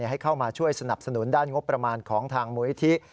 ให้เข้ามาช่วยสนับสนุนด้านงบประมาณของทางมูลนิธิ